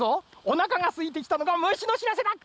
おなかがすいてきたのかむしのしらせだ。